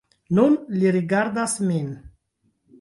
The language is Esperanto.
Nun li rigardas min!